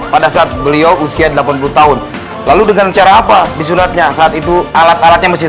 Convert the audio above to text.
pada saat beliau usia delapan puluh tahun lalu dengan cara apa disunatnya saat itu alat alatnya masih